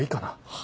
は？